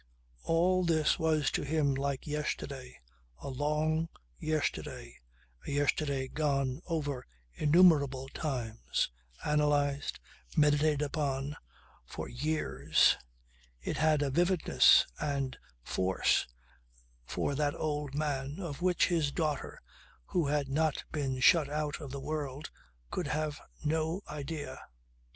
All this was to him like yesterday, a long yesterday, a yesterday gone over innumerable times, analysed, meditated upon for years. It had a vividness and force for that old man of which his daughter who had not been shut out of the world could have no idea.